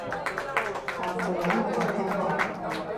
豆腐膶我就聽過